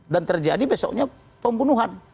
dan terjadi besoknya pembunuhan